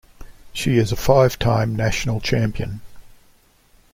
She is a five-time national champion.